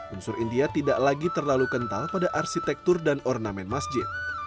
unsur india tidak lagi terlalu kental pada arsitektur dan ornamen masjid